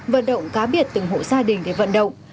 vận động cá biệt từng hộ gia đình để vận động